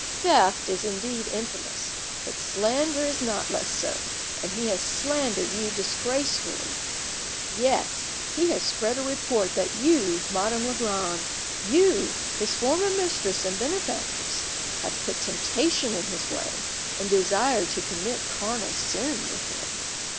Theft is indeed infamous, but slander is not less so, and he has slandered you disgracefully. Yes, he has spread a report that you, Madame Legrand, you, his former mistress and benefactress, have put temptation in his way, and desired to commit carnal sin with him.